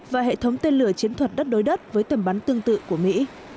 và hệ thống tên lửa chiến thuật đất đối đất với tầm bắn tương tự của mỹ